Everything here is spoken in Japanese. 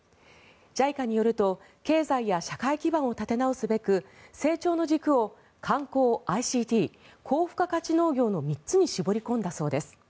ＪＩＣＡによると経済や社会基盤を立て直すべく成長の軸を観光、ＩＣＴ、高付加価値農業の３つに絞り込んだそうです。